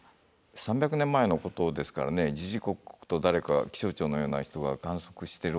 ３００年前のことですからね時々刻々と誰か気象庁のような人が観測してるわけではないんですね。